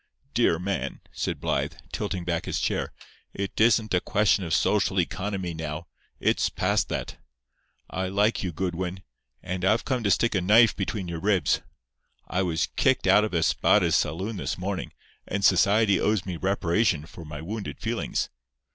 "Dear man," said Blythe, tilting back his chair, "it isn't a question of social economy now. It's past that. I like you, Goodwin; and I've come to stick a knife between your ribs. I was kicked out of Espada's saloon this morning; and Society owes me reparation for my wounded feelings."